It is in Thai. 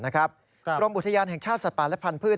กรมอุทยานแห่งชาติสัตว์ป่าและพันธุ์